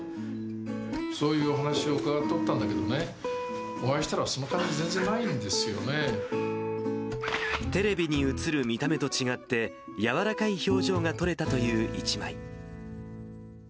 そういうお話を伺ってたんだけどね、お会いしたら、テレビに映る見た目と違って、柔らかい表情が撮れたという一枚。